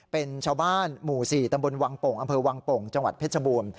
เป็นชาวบ้านหมู่๔ตำบลวังโป่งอำเภอวังโป่งจังหวัดเพชรบูรณ์